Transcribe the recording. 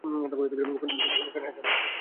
খুকী খানিকটা জাগিয়া থাকিয়া আবার শুইয়া পড়িল।